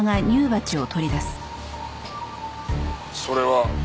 それは？